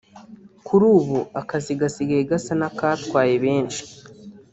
Kuri ubu akazi gasigaye gasa n’akatwaye benshi